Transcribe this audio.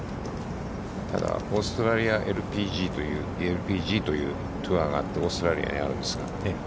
ただ、オーストラリアＬＰＧというツアーがあって、オーストラリアであるんですが。